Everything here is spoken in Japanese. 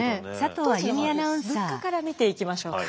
当時のまず物価から見ていきましょうか。